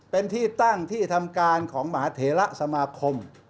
เป็นที่ตั้งที่ทำการของมหาเถระสมาคม